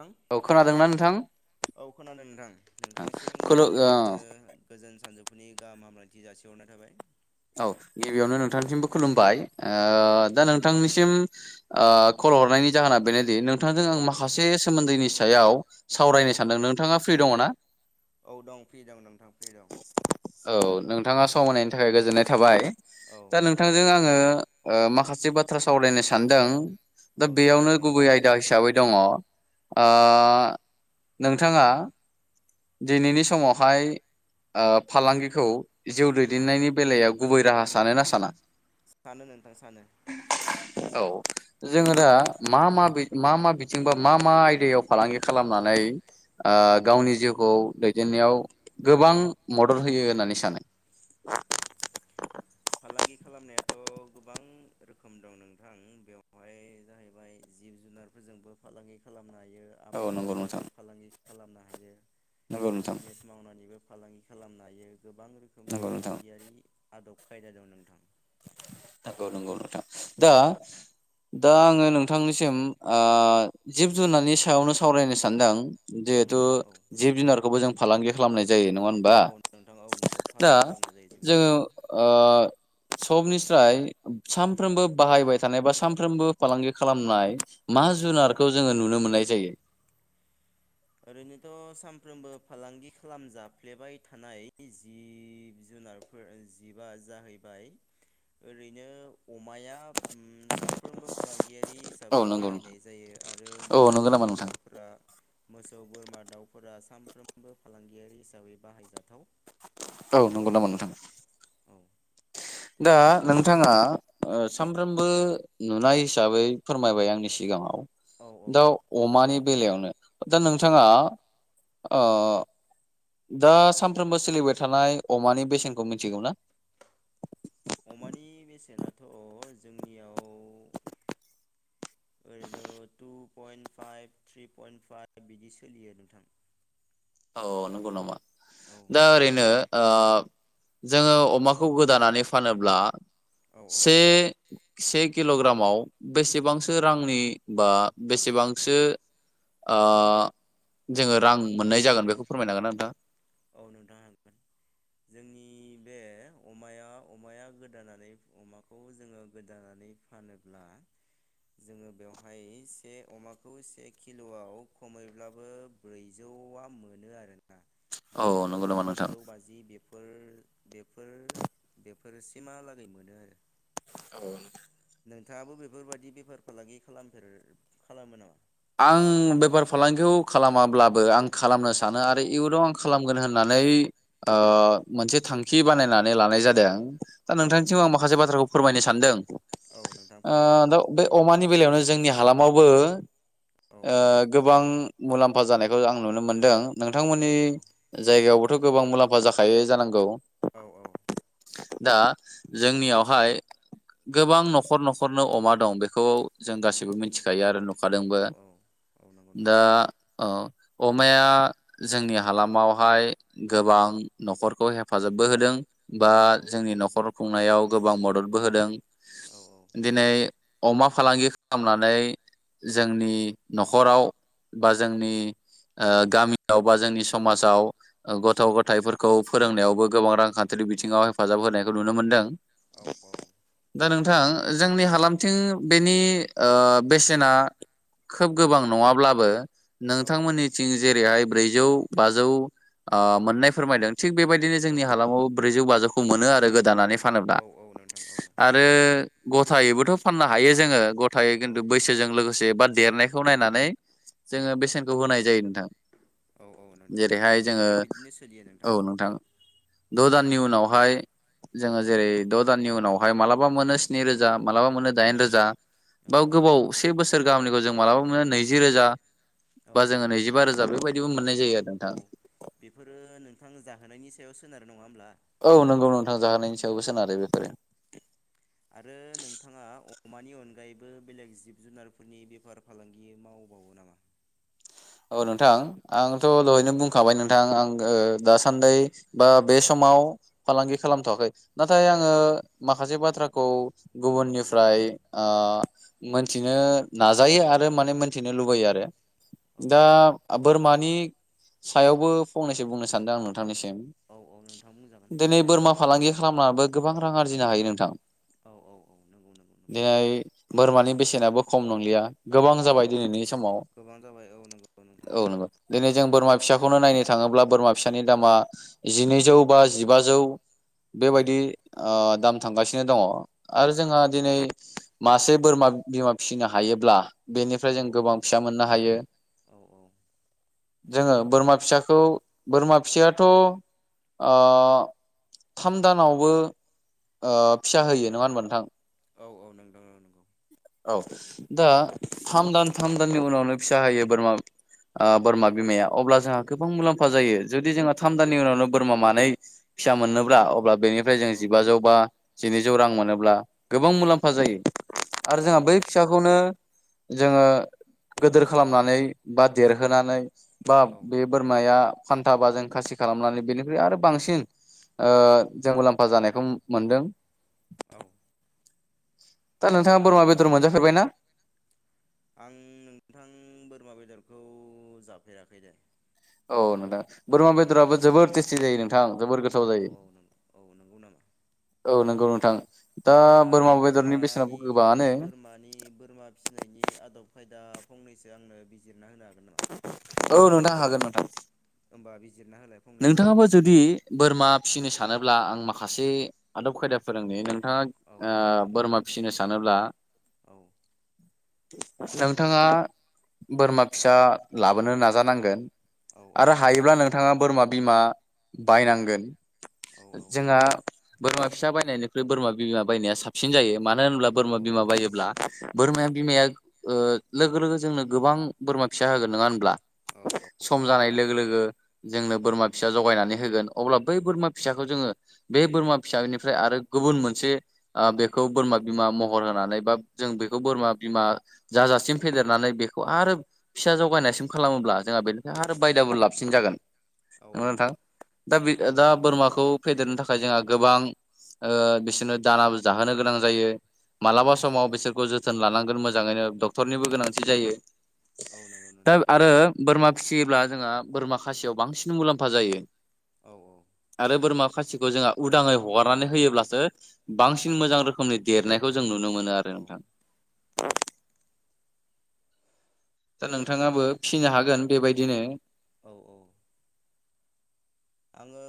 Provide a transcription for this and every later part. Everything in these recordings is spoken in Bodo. नोंथां औ नोंथां खोनादोंना नोंथां औ खोनादों नोंथां नोंथांनिसिम खुलु गिबि ओ गिबियावनो गोजोन सानजौफोरनि गाहाम हाम्लायथि जासिहरनाय थाबाय। औ गिबियावनो नोंथांनिसिमबो खुलुमबाय। औ ओ दा नोंथांनिसिम ओ खल हरनायनि जाहोना बेनो नोंथांजों आं औ औ माखासे सोमोन्दोनि सायाव औ सावरायनो औ सानदों नोंथाङा फ्रि दङ ना? औ दं फ्रि दं नोंथां फ्रि दं औ नोंथाङा सम होनायनि थाखाय गोजोननाय थाबाय। औ दा नोंथांजों आङो ओ ओ माखासे बाथ्रा सावरायनो सानदों दा बेयावनो सावरायजागोन गुबै नोंथां आयदा हिसाबै दङ ओ नोंथाङा दिनैनि समावहाय ओ फालांगिखौ जिउ औ दैदेननायनि बेलायाव गुबै राहा सानो ना साना? सानो नोंथां सानो। औ जोङो दा मा मा मा मा बिथिं बा मा मा आयदायाव फालांगि खालामनानै ओ गावनि जिउ खौ दैदेननायाव गोबां मदद होयो होननानै सानो? फालांगि खालामनायाथ' गोबां रोखोम दं नोंथां बेवहाय जाहैबाय जिब जुनारफोरजोंबो फालांगि खालामो। नो हायो औ आबाद नंगौ नोंथां मावनानैबो फालांगि खालामनो हायो नंगौ नोंथां बिजनेस मावनानैबो फालांगि खालामनो हायो। गोबां रोखोमनि नंगौ नोंथां फालांगियारि आदब खायदा दं नोंथां नंगौ नंगौ नोंथां। दा दा आङो नोंथांनिसिम ओ जिब जुनारनि सायावनो सावरायनो सानदों औ जिहेथु नोंथां औ जिब जुनारखौबो जों फालांगि खालामनाय जायो नङा हबा? औ नोंथां औ नंगौ दा फालांगि खालामनाय जायो जिब जोङो जुनारफोरखौ ओ सबनिस्राय सानफ्रोमबो बाहायबाय थानाय बा सानफ्रोमबो फालांगि खालामनाय मा औ जुनारखौ जोङो नुनो मोननाय जायो। ओरैनोथ' सानफ्रोमबो फालांगि खालामजफ्लेबाय थानाय जिब जुनारफोर जिबआ जाहैबाय ओरैनो अमाया सानफ्रोमबो फालांगि यारि औ हिसाबै नंगौ नोंथां बाहायनाय जायो आरो औ मोसौ नंगौ नामा नोंथां बोरमाफोरा मोसौ बोरमा दाउफोरा सानफ्रोमबो फालांगियारि हिसाबै बाहायजाथाव औ नंगौ नामा नोंथा औ दा नोंथाङा सानफ्रोमबो नुनाय हिसाबै फोरमायबाय आंनि सिगाङाव औ दाउ अमानि बेलायावनो दा औ नोंथाङा औ ओ दा सानफ्रोमबो सोलिबाय थानाय अमानि बेसेनखौ मिथिगौ ना अमानि बेसेनाथ' जोंनियाव ओरैनो two point five three point five बिदि सोलियो नोंथां औ नंगौ नामा औ दा ओरैनो आ जोङो अमाखौ गोदानानै फानोब्ला औ औ से से किल'ग्रामाव बेसेबांसो रांनि बा बेसेबांसो आ जोङो रां मोननाय जागोन बेखौ फोरमायनो हागोनना नोंथां? [inaudible] औ ब्रैजौ नंगौ नामा नोंथां? थामजौ बाजि [unintelligible] बेफोर बेफोरसिमहालागै मोनो आरो [unintelligible] नोंथाङाबो बेफोरबायाददि बेफार फालांगि खालामफेर खालामो नामा? आं बेफार फालांगिखौ खालामाब्लाबो आं खालामनो सानो आरो इयुनाव आं खालामगोन होननानै ओ मोनसे थांखि बानायनानै लानाय जादों दा औ नोंथांसिम आं नोंथां औ माखासे बाथ्रा फोरमायनो सान फान्दों औ नोंथां ओ फोरमायजागोन दा बे अमानि बेलायावनो जोंनि हालामावबो औ ओ औ गोबां मुलाम्फा जानायखौ आं नुनो मोनदों नोंथांमोननि औ जायगायावबोथ' गोबां मुलाम्फा जाखायो जानांगौ औ औ दा जोंनियावहाय गोबां न'खर न'खरनो अमा दं बेखौ जों गासिबो मिथिखायो आरो नु औ खादोंबो औ औ नंगौ दा नोंथां आ अ अमाया जोंनि हालामावहाय गोबां न'खरखौ हेफाजाबबो होदों बा औ औ जोंनि न'खर खुंनायाव गोबां मददबो होदों औ दिनै अमा फालांगि खालामनानै जोंनि न'खराव बा जोंनि गामियाव बा जोंनि समाजाव औ गथ' गथाइफोरखौ फोरोंनायावबो गोबां रांखान्थिारि बिथिङाव हेफाजाब होनायखौ नुनो मोन्दों औ [inaudible] दा नों थां जोंनि हालामथिं बेनि ओ बेसेना खोब गोबां नङाब्लाबो नोंथांमोननिथिं जेरैहाय ब्रैजौ बाजौ ओ मोननाय फोरमायदों थिग बेबायदिनो औ जोंनि हालामावबो ब्रैजौ बाजौ खौ मोनो आरो गोदानानै फानोब्ला औ औ नोंथां औ आरो गथायैबोथ' फाननो हायो जोङो ग थायै खिन्थु बैसोजों लोगोसे बाट देरनायखौ नायनानै जोङो औ बेसेनखौ होनाय जायो नोंथां औ औ नोंथां जेरैहाय जोंनिखिबो जोङो बेबायदिनो सोलियो औ नोंथां द दान दाननि उनावहाय जोङो जेरै द' दाननि उनावहाय मालाबा मोनो स्नि रोजा मालाबा मोनो दाइन रोजा औ बा औ गोबाव से बोसोर गाहामनिखौ जों मालाबा मोनो नैजि रोजा औ बा जोङो औ नैजिबा रोजा बेबायदि दिबो मोननाय जायो आरो नोंथां औ बेफोरो नोंथां जाहोनायनि सायाव सोनारो नङा होमब्ला औ नंगौ नोंथां जाहोनायनि औ सायावबो सोनारो बेफोरो आरो नोंथाङा अमानि अनगायैबो बेलेग जिब जुनारफोरनि बेफार फालांगि मावबावो नामा औ नोंथां आंथ' दहायनो बुंखाबाय नोंथां आं दासान्दि बा बे समाव फालांगि खालामथ'वाखै नाथाय आङो माखासे बाथ्राखौ गुबुननिफ्राय मोनथिनो नाजायो आरो माने मिथिनो औ लुबैयो आरो औ दा औ बोरमानि सायावबो फंनैसो बुंनो सानदों आं नोंथांनिसिम औ औ नोंथां बुंजागोन दिनै बोरमा फालांगि खालामनाबो गोबां रां आरजिनो हायो नोंथां औ औ नंगौ नंगौ नंगौ [inaudible] बोरमानि बेसेनाबो खम नंलिया गोबां जाबाय औ दिनैनि समाव गोबां जाबाय औ नंगौ नोंथां औ नोंगौ जेरै जों बोरमा फिसाखौनो नायनो थाङोब्ला बोरमा फिसानि दामा जिनैजौ बा जिबाजौ। औ औ बेबायदि दाम थांगासिनो दङ आरो जोंहा दिनै मासे बोरमा बिमा फिसिनो हायोब्ला। बेनिफ्राय औ जों औ गोबां नंगौ फिसा मोननो हायो। औ औ जोङो बोरमा फिसाखौ बोरमा फिसायाथ थाम दानावबो फिसा होयो नङा होनबा नोंथां। औ औ नोंथां औ नंगौ। औ दा थाम दान थाम दाननि उनावनो फिसा होयो बोरमा बोरमा बिमाया अब्ला जोंहा गोबां मुलाम्फा जायो जुदि जोंहा थाम दाननि उनावनो बोरमा मानै फिसा मोनोब्ला अब्ला। बेनिफ्राय जों औ जिबाजौ बा। जिनै जौ रां मोनोब्ला। गोबां औ मुलाम्फा जायो। औ आरो जोंहा जायो बै नोंथां जायो फिसाखौनो। जोंङो गिदिर खालामनानै बा देरहोनानै। बा औ बे बोरमाया। फान्था बा जों खासि खालामनानै बेनिख्रुइ आरो बांसिन ओ जों मुलाम्फा जानायखौ मोनदों। औ। दा नोंथाङा बोरमा बेदर मोनजाफेरबायना? आं नोंथां बोरमा बेदरखौ जाफेराखै दे। औ नोंथां बोरमा बेदराबो जोबोर टेस्टि जायो नोंथां। जोबोर गोथाव औ जायो औ नंगौ औ नंगौ नामा। औ नंगौ नोंथां। दा नोंथाङा बोरमा बेदरनि बेसेनाबो बोरमानि गोबाङानो बोरमानि बोरमा फिसिनायनि आदब खायदा। दा फंनैसो आंनो बिजिरना होनो हागोन दा? औ नोंथां हागोन। हागोन नोंथां। [unintelligible] फंनैसो नोंथाङाबो आंबो जुदि खोनासं बोरमा फिसिनो सानोब्ला आं माखासे। माखासे आदब खायदा फोरोंनि नोंथां। औ औ नोंथाङा नोंथां औ बोरमा फिसिनो सानोब्ला। औ नोंथाङा बोरमा फिसा लाबोनो नाजानांगोन। औ आरो हायोब्ला नोंथाङा। बोरमा। बिमा बायनांगोन। औ जोंहा। बोरमा फिसा बायनायनिख्रुइ बोरमा बिमा बायनाया साबसिन जायो। मानो होनब्ला औ बोरमा औ बिमा नोंथां औ बायोब्ला बोरमाया। बिमाया लोगो लोगो जोंनो गोबां बोरमा फिसा होगोन नङा होनब्ला। औ सम जानाय लोगो लोगो [unintelligible] जोंनो बोरमा फिसा जगायनानै होगोन अब्ला बै बोरमा फिसाखौ जोङो बे बोरमा फिसानिफ्राय आरो गुबुन मोनसे ओ बेखौ बोरमा बिमा महर होनानै बा जों बेखौ बोरमा बिमा जाजासिम फेदेरनानै बेखौ आरो फिसा जगायनायसिम खालामोब्ला जोंहा बेनिफ्राय आरो बायदाबो लाबसिन जागोन औ [unintelligible] औ नोंथां दा बे औ दा नंगौ नोंथां बोरमाखौ फेदेरनो थाखाय जोंङा गोबां ओ बिसोरनो दानाबो जाहोनो गोनां जायो औ मालाबा समाव बिसोरखौ [unintelligible] जोथोन लानांगोन मोजाङैनो डक्टरनिबो गोनांथि जायो औ नंगौ दा नोंथां आरो बोरमा फिसियोब्ला जोङो बोरमा खासियाव बांसिन [unintelligible] [unintelligible] मुलाम्फा जायो औ आरो बोरमा [unintelligible] [unintelligible] उदाङै हगारनानै होयोब्लासो बांसिन मोजां रोखोमनि देरनायखौ जों नुनो [unintelligible] नुनो मोनो आरो नोंथां औ [unintelligible] दा नोंथाङाबो फिनो हागोन बेबायदिनो औ औ आङो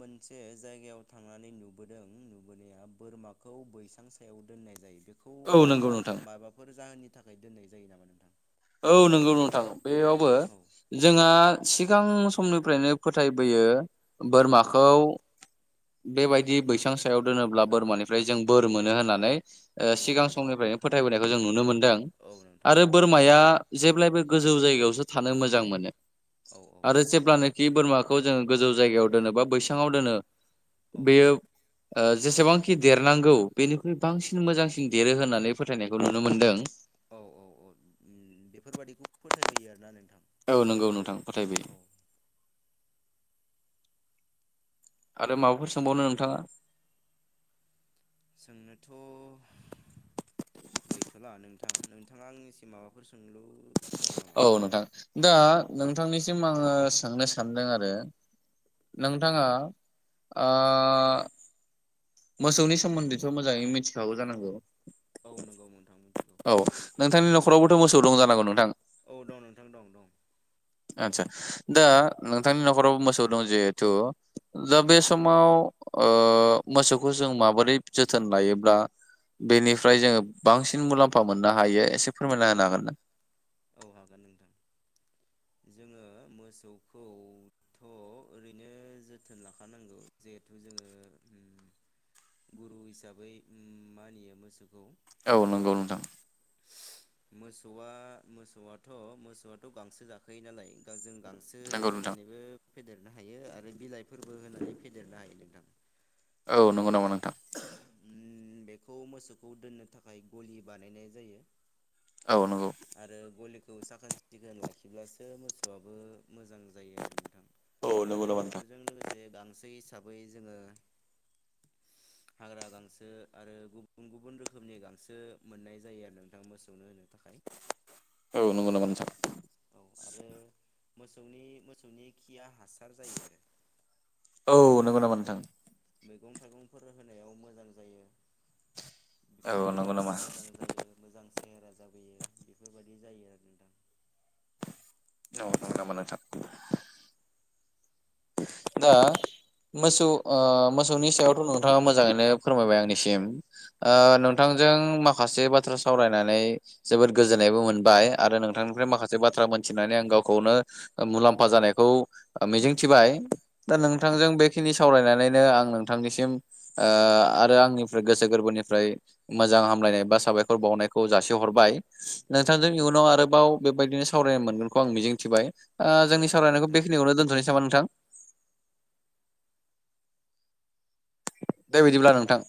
मोनसे जायगायाव थांनानै नुबोदों नुबोनाया बोरमाखौ बैसां सायाव दोननाय जायो। बेखौ औ नंगौ माबा नोंथां माबाफोर जाहोननि थाखाय दोननाय जायो नामा नोंथां? औ नंगौ नोंथां बेयावबो औ जोंहा सिगां समनिफ्रायनो फोथायबोयो औ बोरमाखौ बेबायदि बैसां सायाव दोनोब्ला बोरमानिफ्राय जों बोर मोनो होननानै ओ औ सिगां औ औ समनिफ्रायनो फोथायबोनायखौ जों नुनो मोनदों औ नोंथां आरो औ बोरमा आ जेब्लायबो गोजौ जायगायावसो थानो मोजां मोनो। औ आरो जेब्लानो खि बोरमाखौ जोङो गोजौ जायगायाव दोनो बा बैसाङाव दोनो औ बेयो ओ जेसेबांखि देरनांगौ बेनिख्रुइ बांसिन मोजांसिन देरो होननानै फोथायनायखौ नुनो मोनदों। औ औ औ बेफोरबादिखौ फोथायबोयो आरोना नोंथां। औ नंगौ नोंथां फोथायबोयो।। औ आरो माबाफोर सोंबावनो नोंथाङा। सोंनोथ' गैथ'ला नोंथां नोंथाङा आंनिसिम माबाफोर सोंलु दं नामा औ नोंथां दा नोंथांनिसिम आङो सोंनो सान्दों आरो नोंथाङा ओ मोसौनि सोमोन्दैथ' मोजाङै मिथिखागौ जानांगौ। औ नंगौ नोंथां मिथिगौ रावबोथ' मोसौ दं जानांगौ नोंथां औ दं नोंथां दं दं आदसा दा नोंथांनि न'खराव मोसौ दं जिहेथु दा बे समाव ओ मोसौखौ जों माबोरै जोथोन लायोब्ला बेनिफ्राय जोङो बांसिन मुलाम्फा मोननो हायो एसे फोरमायना होनो हागोन ना। औ हागोन नोंथां जोङो मोसौखौथ' ओरैनो जोथोन लाखानांगौ जिहेथु जोङो ओ गुरु हिसाबै ओ मानियो मोसौखौ। औ नंगौ नोंथां। मोसौआ मोसौआथ' मोसौआथ' गांसो जाखायो नालाय गां जों गांसो नंगौ नोंथां होनानैबो फेदेरनो हायो आरो बिलाइफोरबो होनानै फेदेरनो हायो नोंथां। औ नंगौ नामा नोंथां ओम बेखौ मोसौखौ दोननो थाखाय गलि बानायनाय जायो। औ नंगौ आरो गलिखौ साखोन सिखोन लाखिब्लासो मोसौआबो मोजां जायो आरो नोंथां औ नंगौ आरो नामा नोंथां? बेफोरजों लोगोसे जे गांसो हिसाबै जोङो हाग्रा गांसो आरो गुबुन गुबुन रोखोमनि गांसो मोननाय जायो आरो नोंथाङा मोसौनो होनो थाखाय। औ नंगौ नामा नोंथां औ आरो मोसौनि मोसौनि खिया हा औ नंगौ नामा नोंथां मैगं थाइगंफोर होनायाव मोजां जायो बिफां औ नंगौ लाइफांफ्रा नामा मोजां जायो मोजां सेहेरा जाबोयो बेफोरबायदि बि जायो आरो नोंथां औ नंगौ नामा नोथां दा मोसौ मोसौनि सायावथ' नोंथाङा मोजाङैनो फोरमायबाय आंनिसिम औ औ नोंथांजों मा माखासे बाथ्रा सावरायनानै जोबोद गोजोननायबो मोनबाय आरो औ औ नोंथांनिफ्राय माखासे नोंथां बाथ्रा औ मोन्थिनानै आं गाव खौनो मुलाम्फा जानायखौ मिजिं थिबाय दा औ औ नोंथांजों नंगौ नोंथां बेखिनि सावरायनानैनो आं नोंथांनिसिम आरो आंनिफ्राय गोसो गोरबोनिफ्राय मोजां हामलायनाय बा साबायखर बावनायखौ जासिहरबाय औ नोंथांजों इयुनाव आरोबाव बेबायदिनो सावरायनो मोनगोनखौ आं मिजिंथिबाय औ जोंनि नंगौ सावरायनायखौ नोंथां बेखिनियावनोदोनथ'सै दां दे बिदिब्ला नोंथां